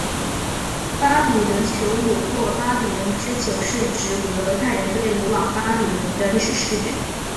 巴比伦囚虏或巴比伦之囚是指古犹太人被掳往巴比伦的历史事件。